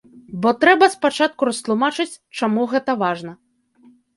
Бо трэба спачатку растлумачыць, чаму гэта важна.